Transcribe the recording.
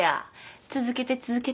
続けて続けて。